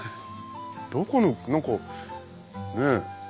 どこの何かねぇ。